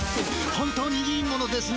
本当にいいものですね。